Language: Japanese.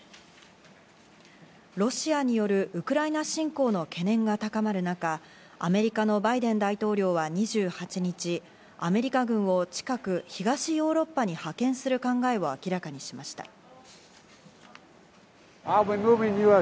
ロシアによるウクライナ侵攻の懸念が高まる中、アメリカのバイデン大統領は２８日、アメリカ軍を近く東ヨーロッパに派遣する考えを明らかにしました。